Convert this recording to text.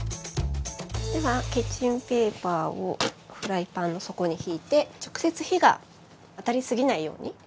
ではキッチンペーパーをフライパンの底にひいて直接火が当たりすぎないようにひいておきます。